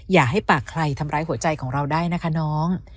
อย่าให้ปากใครทำร้ายหัวใจของเราได้นะคะน้อง